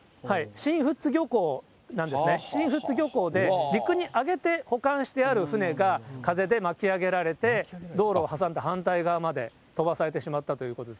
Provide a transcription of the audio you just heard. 新富津漁港なんですね、新富津漁港で陸に上げて保管してある船が風で巻き上げられて、道路を挟んで反対側まで飛ばされてしまったということです。